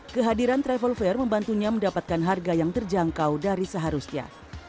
kehadiran travel fair membantunya mendapatkan harga yang terjangkau dari seharusnya